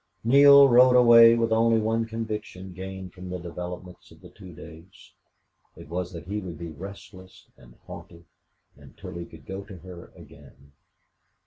Neale rode away with only one conviction gained from the developments of the two days; it was that he would be restless and haunted until he could go to her again.